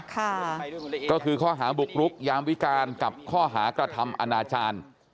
ค่ะก็คือข้อหาบุกรุกยามวิการกับข้อหากระทำอนาจารย์